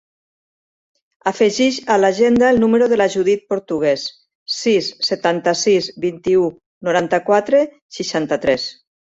Afegeix a l'agenda el número de la Judit Portugues: sis, setanta-sis, vint-i-u, noranta-quatre, seixanta-tres.